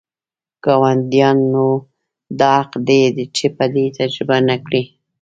ګاونډیانو دا حق دی چې بدي تجربه نه کړي.